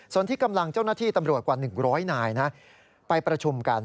ส่วนที่กำลังเจ้าหน้าที่ตำรวจกว่า๑๐๐นายไปประชุมกัน